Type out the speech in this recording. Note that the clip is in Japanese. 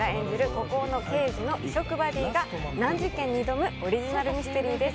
孤高の刑事の異色バディが難事件に挑むオリジナルミステリーです